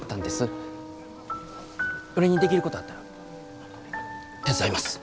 俺にできることあったら手伝います。